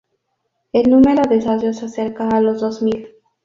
El número de socios se acerca a los dos mil.